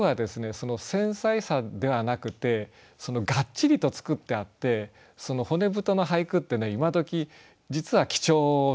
その繊細さではなくてガッチリと作ってあって骨太の俳句って今どき実は貴重なんですね。